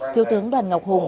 thiếu tướng đoàn ngọc hùng